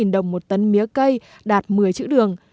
tám trăm sáu mươi đồng một tấn mía cây đạt một mươi triệu đồng